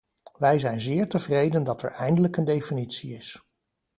Wij zijn zeer tevreden dat er eindelijk een definitie is.